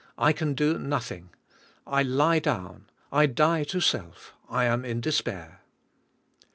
I can do nothing , I lie down, I die to self, I am in despair.